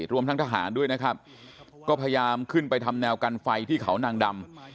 รวมทั้งทหารด้วยนะครับก็พยายามขึ้นไปทำแนวกันไฟที่เขานางดำ